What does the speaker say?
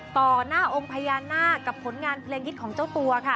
ต่อหน้าองค์พญานาคกับผลงานเพลงฮิตของเจ้าตัวค่ะ